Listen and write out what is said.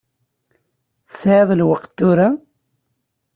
Tesεiḍ lweqt tura?